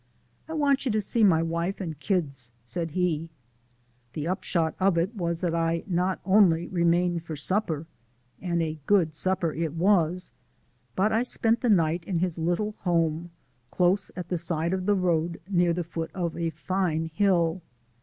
"I want you to see my wife and kids," said he. The upshot of it was that I not only remained for supper and a good supper it was but I spent the night in his little home, close at the side of the road near the foot of a fine hill.